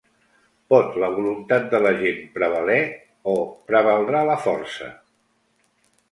Pot la voluntat de la gent prevaler o prevaldrà la força?.